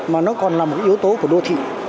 mà nó còn là một yếu tố của đô thị